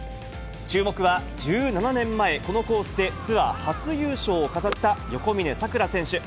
注目は１７年前、このコースでツアー初優勝を飾った横峯さくら選手。